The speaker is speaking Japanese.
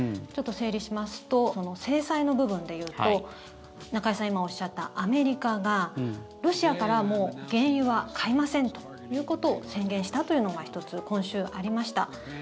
ちょっと整理しますと制裁の部分でいうと中居さん、今おっしゃったアメリカがロシアからもう原油は買いませんということを宣言したというのが１つ今週、ありました。